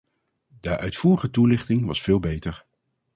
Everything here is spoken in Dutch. De uitvoerige toelichting was veel beter.